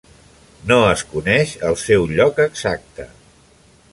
No es coneix el seu lloc exacte.